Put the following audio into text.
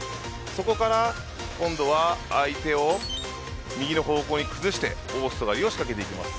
そこから今度は相手を右の方向に崩して大外刈を仕掛けていきます。